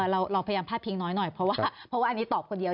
เราเราพยายามพาดเพียงน้อยหน่อยเพราะว่าเพราะว่าอันนี้ตอบคนเดียว